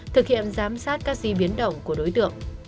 thực hiện giám sát các di biến động của đối tượng